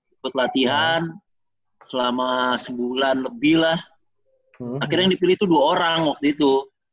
ikut latihan selama sebulan lebih lah akhirnya yang dipilih itu dua orang waktu itu